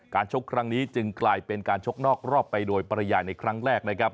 ชกครั้งนี้จึงกลายเป็นการชกนอกรอบไปโดยปริยายในครั้งแรกนะครับ